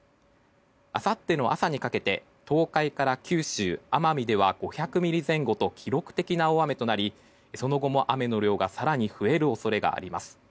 あさっての朝にかけて東海から九州、奄美では５００ミリ前後と記録的な大雨となりその後も雨の量が更に増える恐れがあります。